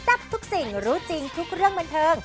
ทับทุกสิ่งรู้จริงทุกเรื่องบันเทิง